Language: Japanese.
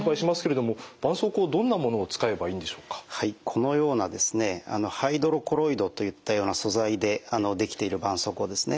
このようなハイドロコロイドといったような素材で出来ているばんそうこうですね